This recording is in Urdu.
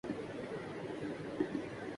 یاد رہے کہ